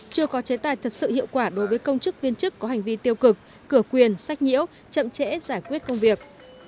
chưa có chế tài thật sự hiệu quả đối với công chức viên chức có hành vi tiêu cực cửa quyền sách nhiễu chậm trễ giải quyết công việc